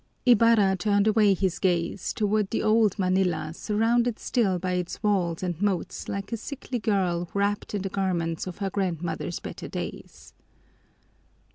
Ibarra turned away his gaze toward the old Manila surrounded still by its walls and moats like a sickly girl wrapped in the garments of her grandmother's better days.